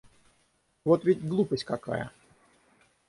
Вот ведь глупость какая!